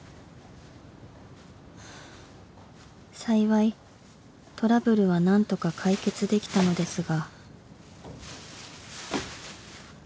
［幸いトラブルは何とか解決できたのですが］